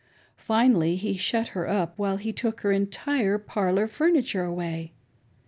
Finally he shut her up while he took her entire , parlor furniture away.